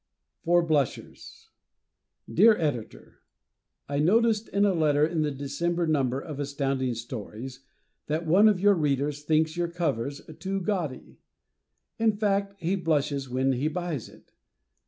For Blushers Dear Editor: I noticed in a letter in the December number of Astounding Stories that one of your Readers thinks your covers too gaudy. In fact, he blushes when he buys it.